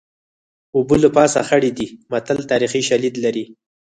اوبه له پاسه خړې دي متل تاریخي شالید لري